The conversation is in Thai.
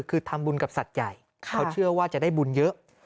คือทำบุญกับสัตว์ใหญ่เขาเชื่อว่าจะได้บุญเยอะ